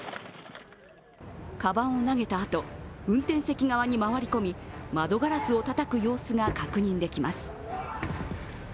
かばんを投げたあと運転席側に回り込み窓ガラスをたたく様子が確認できます。